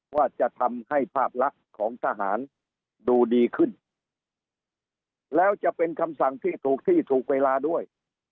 ว่าจะทำให้ภาพลักษณ์ของทหารดูดีขึ้นแล้วจะเป็นคำสั่งที่ถูกที่ถูกเวลาด้วย